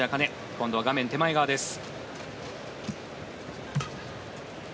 今度は画面手前側です。